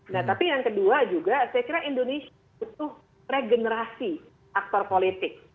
nah tapi yang kedua juga saya kira indonesia butuh regenerasi aktor politik